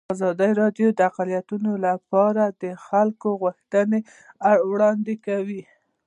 ازادي راډیو د اقلیتونه لپاره د خلکو غوښتنې وړاندې کړي.